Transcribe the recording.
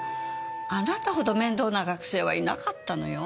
あなたほど面倒な学生はいなかったのよ。